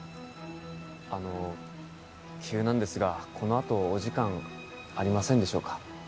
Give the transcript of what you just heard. あの急なんですがこのあとお時間ありませんでしょうか？